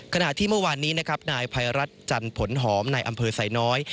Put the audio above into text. ขณะที่เมื่อวานนี้นะครับนายภัยรัฐจันผลหอมในอำเภอไซน้อย